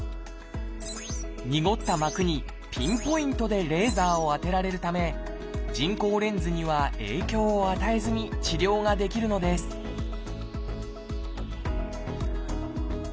にごった膜にピンポイントでレーザーを当てられるため人工レンズには影響を与えずに治療ができるのです後発